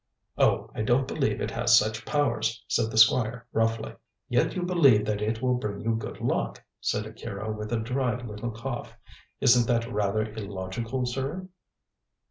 "Oh, I don't believe it has such powers," said the Squire roughly. "Yet you believe that it will bring you good luck," said Akira with a dry little cough. "Isn't that rather illogical, sir?"